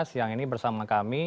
siang ini bersama kami